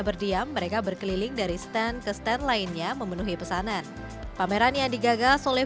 berdiam mereka berkeliling dari stand ke stand lainnya memenuhi pesanan pameran yang digagas oleh